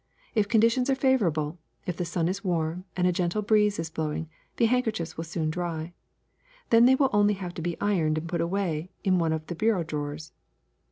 If conditions are favorable, if the sun is warm and a gentle breeze is blowing, the handkerchiefs will soon dry. Then they will only have to be ironed and put away in one of the bureau drawers.